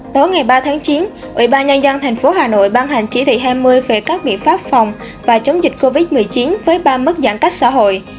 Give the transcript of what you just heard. tối ngày ba tháng chín ủy ban nhân dân tp hà nội ban hành chỉ thị hai mươi về các biện pháp phòng và chống dịch covid một mươi chín với ba mức giãn cách xã hội